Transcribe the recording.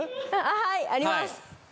はいあります。